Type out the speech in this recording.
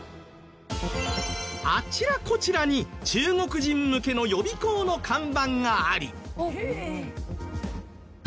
あちらこちらに中国人向けの予備校の看板があり。